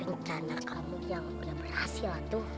rencana kamu yang berhasil itu